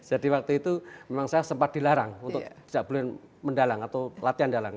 jadi waktu itu memang saya sempat dilarang untuk tidak boleh mendalang atau latihan dalang